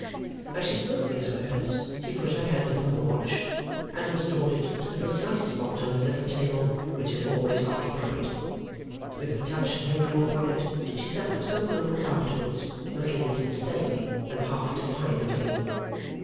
As she spoke these words, she put her hand upon the watch, and restored it to the precise spot on her little table which it always occupied. With her touch lingering upon it, she sat for some moments afterwards, looking at it steadily and half defiantly.